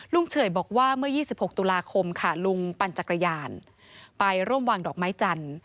เฉื่อยบอกว่าเมื่อ๒๖ตุลาคมค่ะลุงปั่นจักรยานไปร่วมวางดอกไม้จันทร์